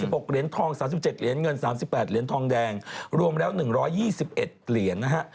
๔๖เหรียญทอง๓๗เหรียญเงิน๓๘เหรียญทองแดงรวมแล้ว๑ร้อย๒๑เหรียญนะฮะ